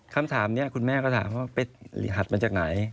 คำถามนี้คุณแม่ก็ถามว่าไปหัดมาจากไหน